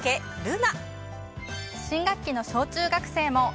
新学期の小・中学生も。